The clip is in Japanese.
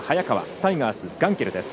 タイガース、ガンケルです。